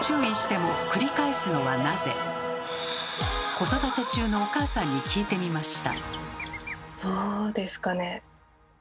子育て中のお母さんに聞いてみました。